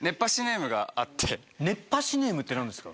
熱波師ネームって何ですか？